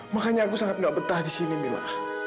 makanya aku sangat gak betah di sini mila